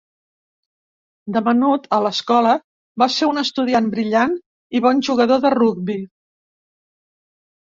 De menut, a l'escola, va ser un estudiant brillant i bon jugador de rugbi.